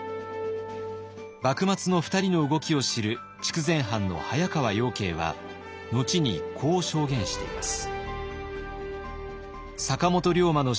幕末の２人の動きを知る筑前藩の早川養敬は後にこう証言しています。